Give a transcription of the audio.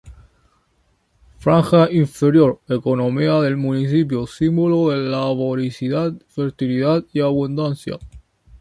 Franja inferior: Economía del municipio, símbolo de laboriosidad, fertilidad y abundancia.